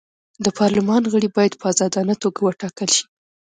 د پارلمان غړي باید په ازادانه توګه وټاکل شي.